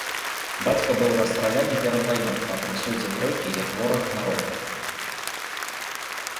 Бацька быў расстраляны перад вайной па прысудзе тройкі як вораг народа.